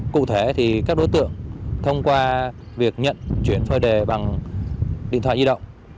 cụ thể thì các đối tượng thông qua việc nhận chuyển phơi đề bằng điện thoại di động